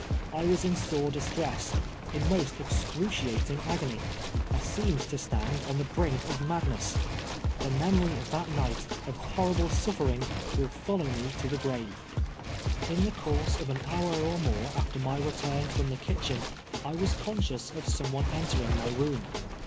I was in sore distress — in most excruciating agony ! I seemed to stand on the brink of madness ! The memory of that night of horrible sutferiug will fol low me to the grave. In the course of an hour or more after my return from the kitchen, I was conscious of some one enter ing my room.